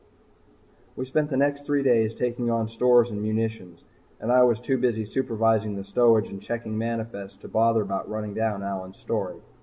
We spent the next three days taking on stores and munitions, and I was too busy supervising the stowage and checking manifests to bother about running down Allyn's story.